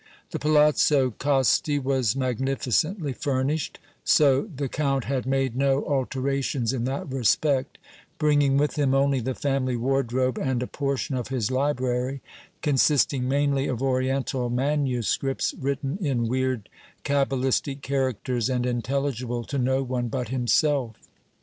The Palazzo Costi was magnificently furnished, so the Count had made no alterations in that respect, bringing with him only the family wardrobe and a portion of his library, consisting mainly of oriental manuscripts written in weird, cabalistic characters and intelligible to no one but himself.